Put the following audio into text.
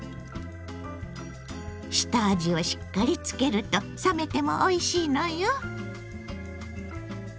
下味をしっかりつけると冷めてもおいしいのよ。